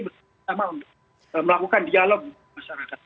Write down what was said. bersama sama untuk melakukan dialog masyarakat